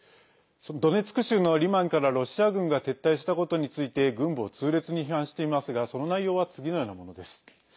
ドネツク州のリマンからロシア軍が撤退したことについて軍部を痛烈に批判していますがその内容は次のようなものです。